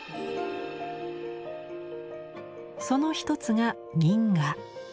その一つが「民画」。